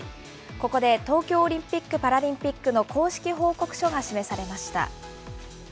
ここで、東京オリンピック・パラリンピックの公式報告書が示されました。